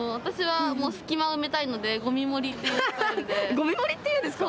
ゴミ盛りっていうんですか？